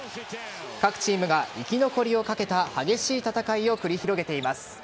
各チームが生き残りをかけた激しい戦いを繰り広げています。